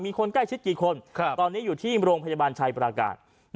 มีคนใกล้ชิดกี่คนตอนนี้อยู่ที่โรงพยาบาลชัยประกาศ